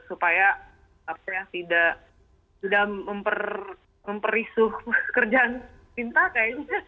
supaya tidak memperisuh kerjaan pinta kayaknya